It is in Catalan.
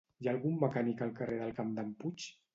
Hi ha algun mecànic al carrer del camp d'en Puig?